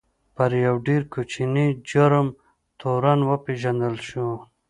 پر یوه ډېر کوچني جرم تورن وپېژندل شو.